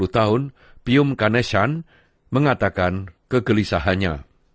dua puluh tahun pium kaneshan mengatakan kegelisahannya